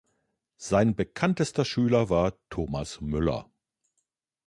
Sein bekanntester Schüler war Thomas Müller.